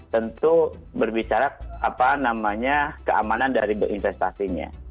tentu berbicara apa namanya keamanan dari berinvestasinya